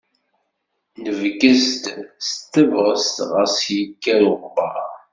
Nebges-d s tebɣest, ɣas yekker uɣebbaṛ.